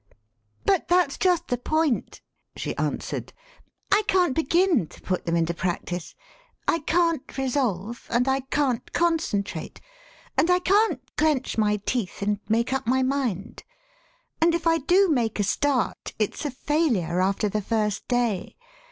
"But that's just the point," she answered. "I can't begin to put them into practice. I can't resolve, and I can't concentrate, and I can't clench my teeth and make up my mind. And if I do make a sort of start, it's a failure after the first day.